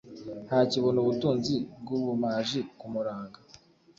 ntakibona ubutunzi bwubumaji kumuranga